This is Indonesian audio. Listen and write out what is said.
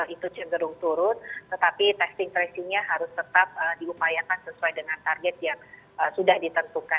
itu cenderung turun tetapi testing tracingnya harus tetap diupayakan sesuai dengan target yang sudah ditentukan